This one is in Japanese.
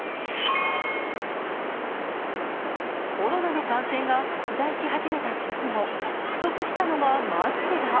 コロナの感染が拡大し始めた直後、不足したのがマスクだ。